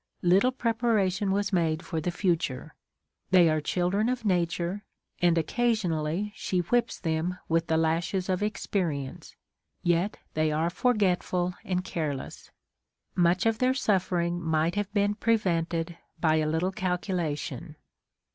Little preparation was made for the future. They are children of Nature, and occasionally she whips them with the lashes of experience, yet they are forgetful and careless. Much of their suffering might have been prevented by a little calculation.